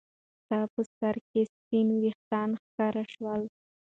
ستا په سر کې سپین ويښتان ښکاره شول.